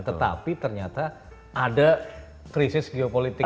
tetapi ternyata ada krisis geopolitik